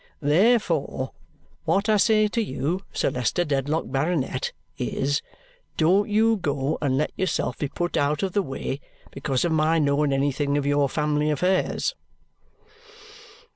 Therefore, what I say to you, Sir Leicester Dedlock, Baronet, is, don't you go and let yourself be put out of the way because of my knowing anything of your family affairs."